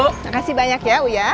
terima kasih banyak ya uya